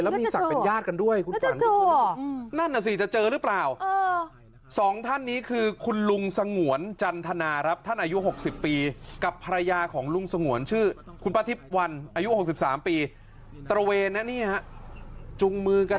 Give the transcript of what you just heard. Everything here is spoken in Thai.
เรากันเดินเท้ากันมาอย่างนี้น่ะ